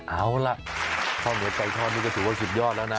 เอาล่ะข้าวเหนียวไก่ทอดนี่ก็ถือว่าสุดยอดแล้วนะ